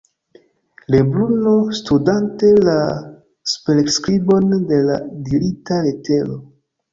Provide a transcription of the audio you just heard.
Lebruno, studante la superskribon de la dirita letero.